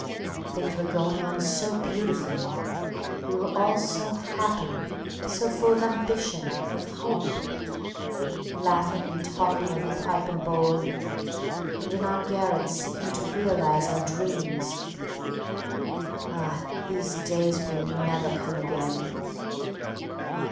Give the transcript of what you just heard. Things were going on so beautifully. We were all so happy, so full of ambition, of hope; laughing and talking over pipe and bowl, and in our garrets seeking to realize our dreams. Ah, these days will never come again!